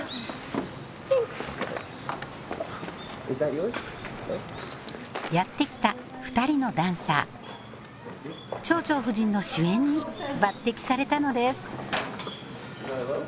Ｙｅａｈ．やってきた二人のダンサー「蝶々夫人」の主演に抜擢されたのです